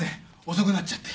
遅くなっちゃって。